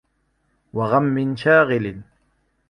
وَغَمٍّ شَاغِلٍ